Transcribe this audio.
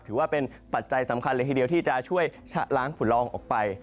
ปัจจัยสำคัญเลยทีเดียวที่จะช่วยชะล้างฝุ่นละอองออกไป